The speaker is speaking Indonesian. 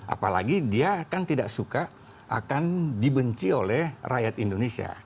apalagi dia kan tidak suka akan dibenci oleh rakyat indonesia